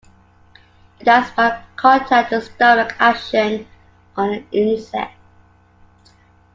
It acts by contact and stomach action on the insect.